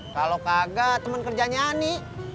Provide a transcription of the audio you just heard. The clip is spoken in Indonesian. kalo kagak temen kerjanya ani